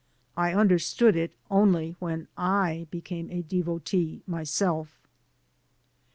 I understood it only when I became a devotee myself.